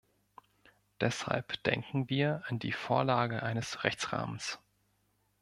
Deshalb denken wir an die Vorlage eines Rechtsrahmens.